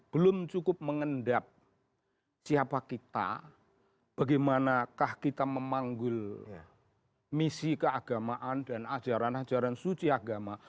belum cukup mengendap siapa kita bagaimanakah kita memanggil misi keagamaan dan ajaran ajaran suci agama